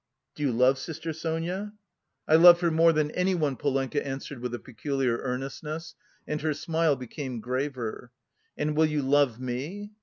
'" "Do you love sister Sonia?" "I love her more than anyone," Polenka answered with a peculiar earnestness, and her smile became graver. "And will you love me?"